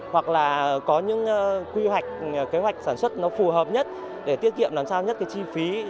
hoặc là có những quy hoạch kế hoạch sản xuất nó phù hợp nhất để tiết kiệm làm sao nhất cái chi phí